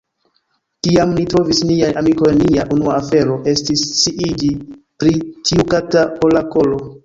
Kiam ni trovis niajn amikojn, nia unua afero estis sciiĝi pri tiu kata orakolo.